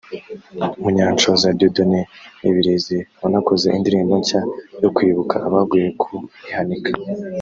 Munyanshoza Dieudonné (Mibirizi) wanakoze indirimbo nshya yo kwibuka abaguye ku i Hanika